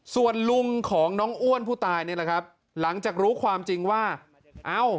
ส่วนลุงของน้องอ้วนผู้ตายนี่แหละครับหลังจากรู้ความจริงว่าเอ้า